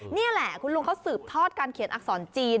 นี่แหละคุณลุงเขาสืบทอดการเขียนอักษรจีน